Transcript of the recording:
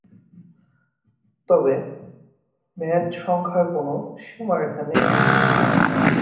তবে, মেয়াদ সংখ্যার কোন সীমারেখা নেই।